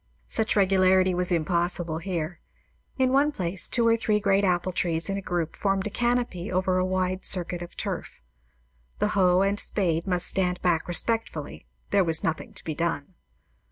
Such regularity was impossible here. In one place, two or three great apple trees in a group formed a canopy over a wide circuit of turf. The hoe and the spade must stand back respectfully; there was nothing to be done.